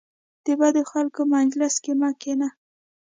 د بدو خلکو مجلس کې مه کینه .